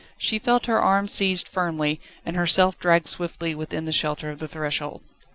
She felt her arm seized firmly, and herself dragged swiftly within the shelter of the threshold.